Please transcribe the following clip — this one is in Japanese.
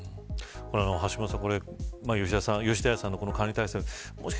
橋下さん、吉田屋の管理体制